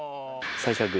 最初はグー。